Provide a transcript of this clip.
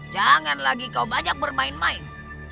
jangan lagi kau banyak bermain main